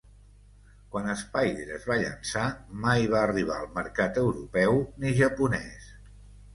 Quan Spyder es va llençar, mai va arribar al mercat europeu ni japonès.